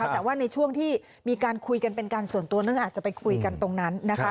แต่ว่าในช่วงที่มีการคุยกันเป็นการส่วนตัวเนื่องจากไปคุยกันตรงนั้นนะคะ